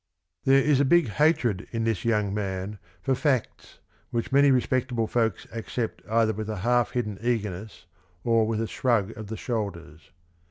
" There is a big hatred in this young man for facts which many respectable folks accept either with a half hidden eagerness or with a shrug of the shoulders.